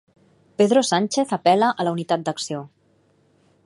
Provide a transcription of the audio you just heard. Pedro Sánchez apel·la a la unitat d'acció.